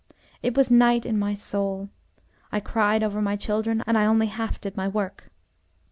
It was night in my soul. I cried over my children, and I only half did my work.